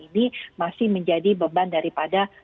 ini masih menjadi beban daripada